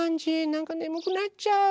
なんかねむくなっちゃう。